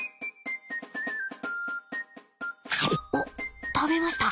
おっ食べました。